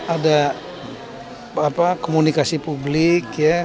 ada komunikasi publik ya